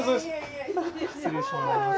失礼します。